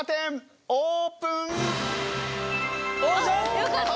よかった！